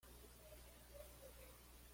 Contrajo matrimonio con la Dra.